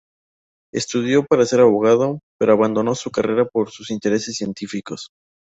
Estudió para ser abogado, pero abandonó su carrera por sus intereses científicos.